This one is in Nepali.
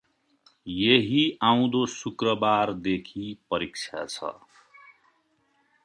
यही आउँदो शुक्रबार देखी परिक्षा छ ।